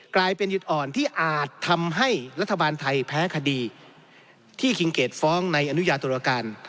กลายเป็นหยุดอ่อนที่อาจทำให้รัฐบาลไทยแพ้คดีที่คิงเกดฟ้องในอนุญาตุรการ